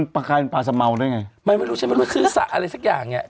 ปลาสำเนื้อ